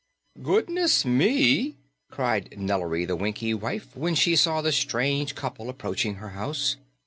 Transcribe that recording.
"Goodness me!" cried Nellary the Winkie wife when she saw the strange couple approaching her house.